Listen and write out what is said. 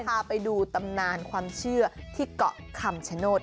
พาไปดูตำนานความเชื่อที่เกาะคำชโนธ